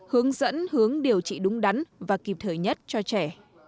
hướng dẫn hướng điều trị đúng đắn và kịp thời nhất cho trẻ